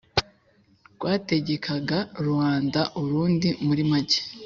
bwategekaga Ruanda Urundi Muri make